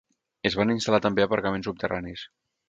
Es van instal·lar també aparcaments subterranis.